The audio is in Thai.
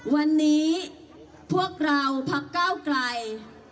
วันนี้พวกเราพักก้าวไกล